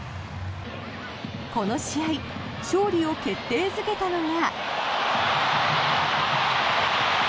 この試合勝利を決定付けたのが。